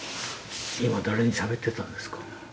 今誰にしゃべってたんですか？